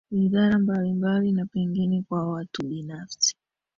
wizara mbalimbali na pengine kwa watu binafsi